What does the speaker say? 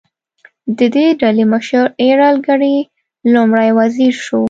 د دې ډلې مشر ایرل ګرې لومړی وزیر شو.